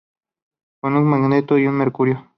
Con Magneto y Mercurio